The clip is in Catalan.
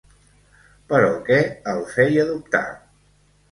Però què el feia dubtar?